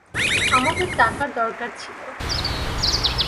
আমাদের টাকার দরকার ছিল।